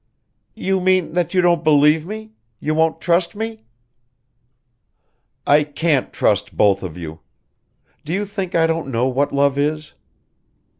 "You mean that you don't believe me ... you won't trust me?" "I can't trust both of you. Do you think I don't know what love is?"